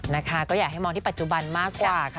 นะคะก็อยากให้มองที่ปัจจุบันมากกว่าค่ะ